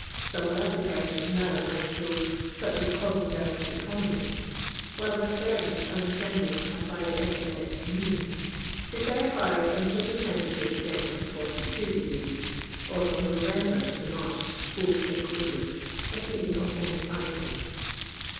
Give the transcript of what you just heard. Soow wealthy iH^rnons now, I am told — such as call thems'dves ''economists," while their servnnti and dependants apply the epithet "mean" — defer fins until the tem|H*mture descends tn 4*2^ or fron Noveml>;*r to March, both inclusive, a season of only live months.